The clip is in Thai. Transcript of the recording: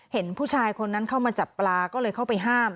เห็นผู้ชายคนนั้นเข้ามาจับปลาก็เลยเข้าไปห้าม